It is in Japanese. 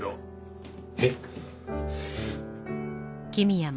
えっ？